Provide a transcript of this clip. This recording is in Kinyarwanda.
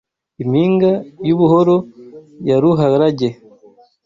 Impinga y'ubuhoro ya Ruharage